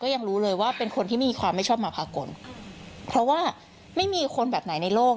ยังรู้เลยว่าเป็นคนที่ไม่ชอบมาภากล